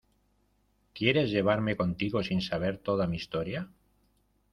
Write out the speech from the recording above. ¿ quieres llevarme contigo sin saber toda mi historia?